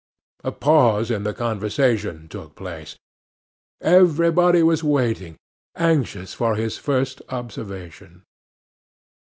A pause in the conversation took place. Everybody was waiting, anxious for his first observation.